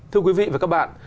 thưa quý vị và các bạn